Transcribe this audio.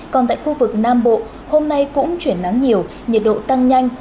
còn tại khu vực nam bộ hôm nay cũng chuyển nắng nhiều nhiệt độ tăng nhanh